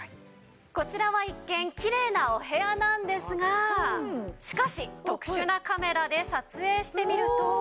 こちらは一見きれいなお部屋なんですがしかし特殊なカメラで撮影してみると。